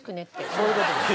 そういう事です。